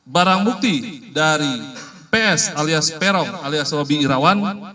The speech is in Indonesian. barang bukti dari ps alias perok alias roby irawan